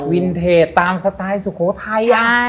วินเทจตามสไตล์สุโขทัย